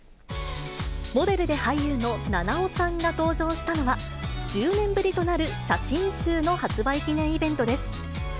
モデルで俳優の菜々緒さんが登場したのは、１０年ぶりとなる写真集の発売記念イベントです。